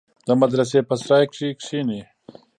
د مدرسې په سراى کښې کښېني.